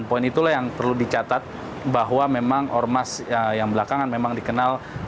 dan poin itulah yang perlu dicatat bahwa memang ormas yang belakangan memang dikenal